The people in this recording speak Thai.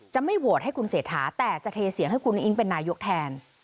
ไม่โหวตให้คุณเศรษฐาแต่จะเทเสียงให้คุณอุ้งอิ๊งเป็นนายกแทน